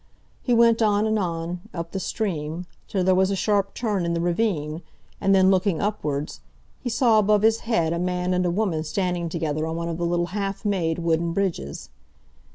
He went on and on, up the stream, till there was a sharp turn in the ravine, and then, looking upwards, he saw above his head a man and a woman standing together on one of the little half made wooden bridges.